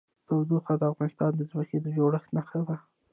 تودوخه د افغانستان د ځمکې د جوړښت نښه ده.